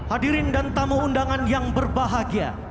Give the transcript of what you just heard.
hadirin dan tamu undangan yang berbahagia